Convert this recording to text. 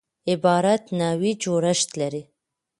عبارت نحوي جوړښت لري.